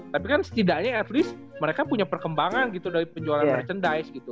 tapi kan setidaknya at least mereka punya perkembangan gitu dari penjualan merchandise gitu